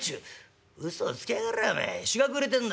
「うそつきやがれおめえ日が暮れてんだい